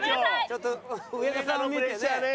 ちょっと植田さんを見てね。